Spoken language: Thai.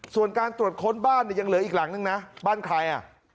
ส่วนการตรวจค้นบ้านยังเหลืออีกหลังหนึ่งนะบ้านใคร